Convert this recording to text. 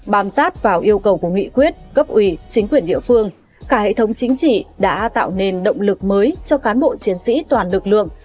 bám sát vào yêu cầu của nghị quyết cấp ủy chính quyền địa phương cả hệ thống chính trị đã tạo nên động lực mới cho cán bộ chiến sĩ toàn lực lượng